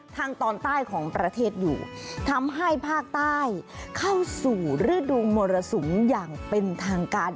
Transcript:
ทางตอนใต้ของประเทศอยู่ทำให้ภาคใต้เข้าสู่ฤดูมรสุมอย่างเป็นทางการ